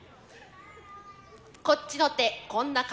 こっちの手こんな形。